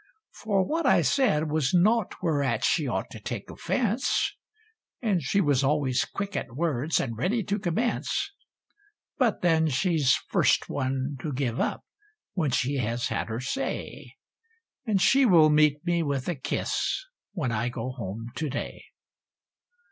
For what I said was naught whereat she ought to take offense; And she was always quick at words and ready to commence. But then she's first one to give up when she has had her say; And she will meet me with a kiss, when I go home to day.